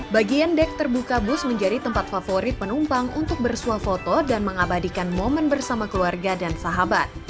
bagian dek terbuka bus menjadi tempat favorit penumpang untuk bersuah foto dan mengabadikan momen bersama keluarga dan sahabat